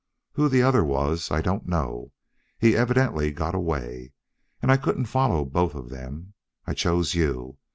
Who the other was I don't know. He evidently got away. As I couldn't follow both of them, I chose you.